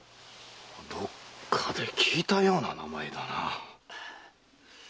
どっかで聞いたような名前だな。